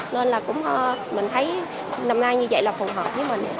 nên là cũng mình thấy năm nay như vậy là phù hợp với mình